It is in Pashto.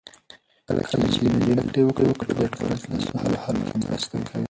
کله چې نجونې زده کړه وکړي، د ټولنې د ستونزو حل کې مرسته کوي.